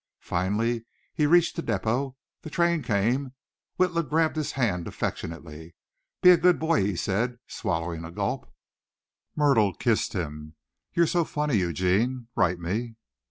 Finally he reached the depot. The train came. Witla grabbed his hand affectionately. "Be a good boy," he said, swallowing a gulp. Myrtle kissed him. "You're so funny, Eugene. Write me."